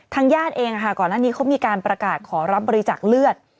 ญาติเองก่อนหน้านี้เขามีการประกาศขอรับบริจาคเลือด